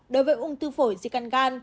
đối với ung thư phổi di căn gan